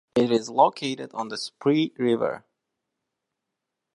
It is located on the Spree River.